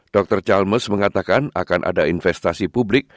dr charles mengatakan akan ada investasi publik